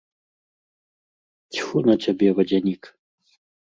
Цьфу на цябе, вадзянік.